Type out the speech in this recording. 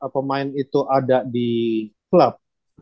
pemain itu ada di klub